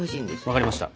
分かりました。